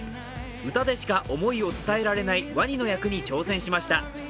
歌でしか思いを伝えられないワニの役に挑戦しました。